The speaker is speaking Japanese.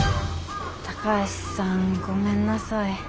高橋さんごめんなさい。